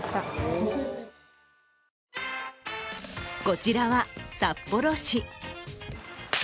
こちらは札幌市。